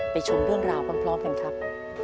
ไปชมเรื่องราวกันพร้อมเห็นครับ